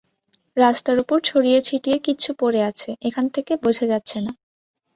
রাস্তার ওপর ছড়িয়ে-ছিটিয়ে কিছু পড়ে আছে, এখান থেকে বোঝা যাচ্ছে না।